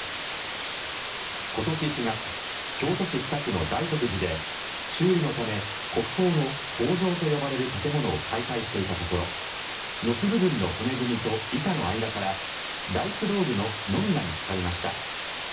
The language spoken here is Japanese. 今年４月、京都市北区の大徳寺で修理のため国宝の方丈と呼ばれる建物を解体していたところ軒部分の骨組みと板の間から大工道具のノミが見つかりました。